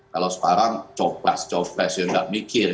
kalau sekarang copras copras enggak mikir